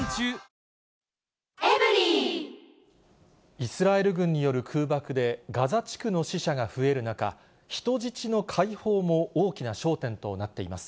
イスラエル軍による空爆で、ガザ地区の死者が増える中、人質の解放も大きな焦点となっています。